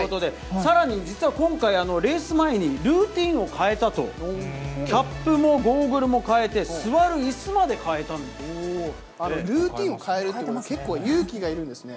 さらに実は今回、レース前にルーティンを変えたと、キャップもゴーグルも変えて、ルーティンを変えるということは結構勇気がいるんですね。